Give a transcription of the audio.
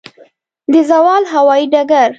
د زاول هوايي ډګر